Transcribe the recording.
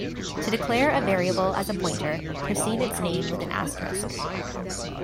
To declare a variable as a pointer, precede its name with an asterisk.